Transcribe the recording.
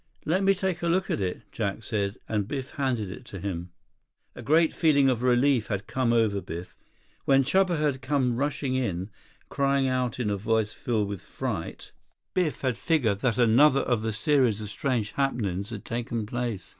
"Let me take a look at it," Jack said, and Biff handed it to him. A great feeling of relief had come over Biff. When Chuba had come rushing in, crying out in a voice filled with fright, Biff had figured that another in the series of strange happenings had taken place.